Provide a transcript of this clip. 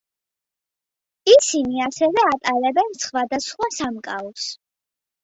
ისინი ასევე ატარებენ სხვა და სხვა სამკაულს.